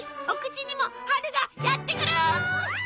お口にも春がやってくる！